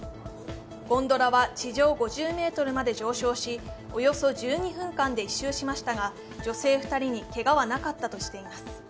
ゴンドラは地上５０ｍまで上昇し、およそ１２分間で１周しましたが、女性２人にけがはなかったとしています。